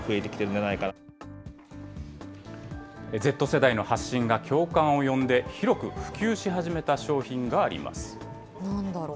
Ｚ世代の発信が共感を呼んで、広く普及し始めた商品があります。